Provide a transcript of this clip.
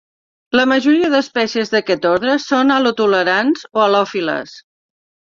La majoria d'espècies d'aquest ordre són halotolerants o halòfiles.